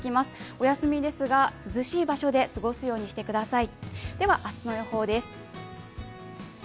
お休みですが涼しい場所で過ごすようにしてください。